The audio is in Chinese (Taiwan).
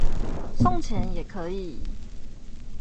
送錢也可以